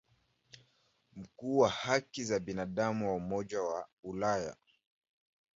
Mkuu wa haki za binadamu wa Umoja wa Ulaya.